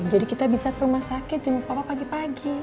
jadi kita bisa ke rumah sakit jenguk papa pagi pagi